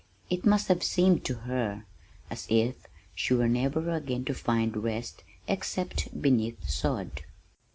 It must have seemed to her as if she were never again to find rest except beneath the sod.